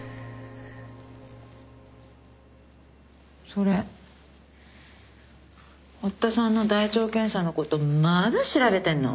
それ堀田さんの大腸検査のことまだ調べてんの？